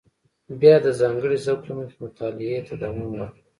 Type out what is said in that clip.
بیا یې د ځانګړي ذوق له مخې مطالعه ته دوام ورکړ.